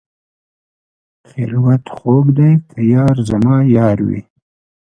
خلوت خوږ دی که یار زما یار وي.